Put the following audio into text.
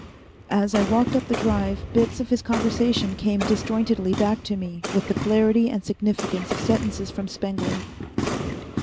As I walked up the Drive, bits of his conversation came disjointedly back to me with the clarity and significance of sentences from Spengler.